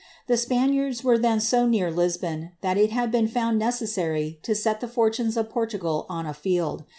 The Spaniards were then so near Lisbon, that it had been I necessary to set the fortunes of Portugal on a field.